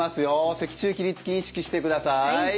脊柱起立筋意識してください。